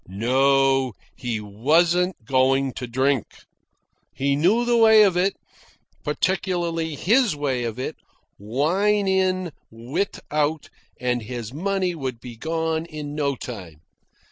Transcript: No; he wasn't going to drink. He knew the way of it, particularly his way of it, wine in, wit out, and his money would be gone in no time.